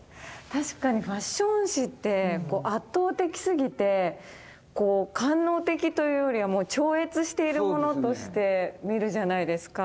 確かにファッション誌って圧倒的すぎて官能的というよりは超越しているものとして見るじゃないですか。